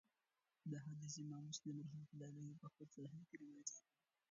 دا حديث امام مسلم رحمه الله په خپل صحيح کي روايت کړی